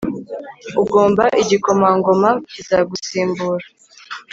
Ugomba igikomangoma kizagusimbura